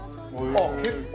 あっ結構。